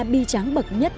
bi tráng bậc nhất